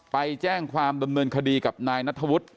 ไปแจ้งความดำเนินคดีกับนายนัทธวุฒิ